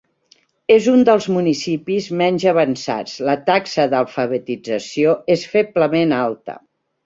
És un dels municipis menys avançats, la taxa d'alfabetització és feblement alta.